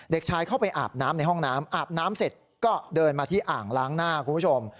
เด็กชายเข้าไปอาบน้ำในห้องน้ำอาบน้ำเสร็จก็เดินมาที่อ่างล้างหน้าคุณผู้ชม